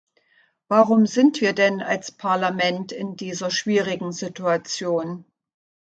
Warum sind wir denn als Parlament in dieser schwierigen Situation?